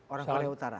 orang korea utara